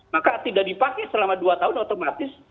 maka tidak dipakai selama dua tahun otomatis